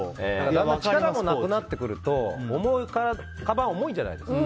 力もなくなってくるとかばん、重いじゃないですか。